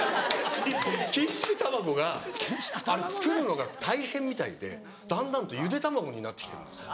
錦糸卵が作るのが大変みたいでだんだんとゆで卵になってきてるんです。